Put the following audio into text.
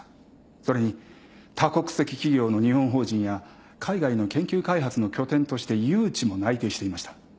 それに多国籍企業の日本法人や海外の研究開発の拠点として誘致も内定していました。